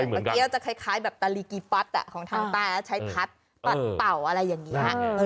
อีกลักษณ์นะอย่างเมื่อกี้จะคล้ายแบบตาลีกีฟัสอ่ะของทางตาใช้พัดป่าวอะไรอย่างนี้